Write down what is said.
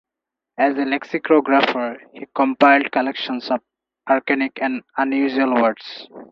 As a lexicographer he compiled collections of archaic and unusual words.